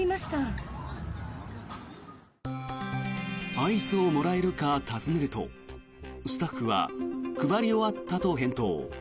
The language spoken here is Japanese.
アイスをもらえるか尋ねるとスタッフは配り終わったと返答。